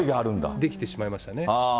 出来てしまいましたね。